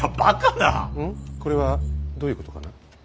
これはどういうことかな。